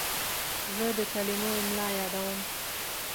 زه د کلمو املا یادوم.